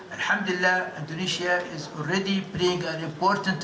alhamdulillah indonesia sudah memiliki peran yang penting